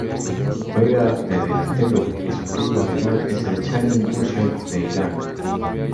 Juega de delantero y su equipo actual es el Shahin Bushehr de Irán.